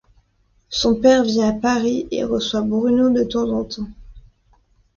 Son père vit à Paris et reçoit Bruno de temps en temps.